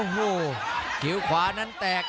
ไปแล้วที่ที่ขวานั้นแตก